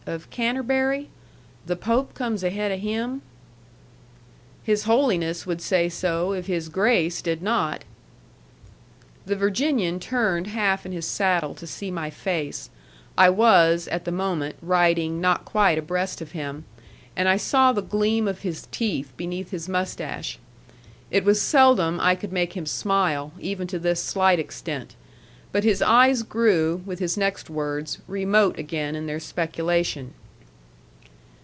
of Canterbury? The Pope comes ahead of him?" "His Holiness would say so if his Grace did not." The Virginian turned half in his saddle to see my face I was, at the moment, riding not quite abreast of him and I saw the gleam of his teeth beneath his mustache. It was seldom I could make him smile, even to this slight extent. But his eyes grew, with his next words, remote again in their speculation.